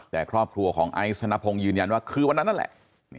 แต่ครอบครัวของไอซ์ธนพงศ์ยืนยันว่าคือวันนั้นนั่นแหละ